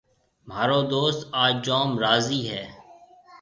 مهارو دوست آج جوم راضِي هيَ۔